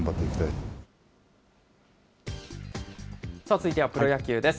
続いてはプロ野球です。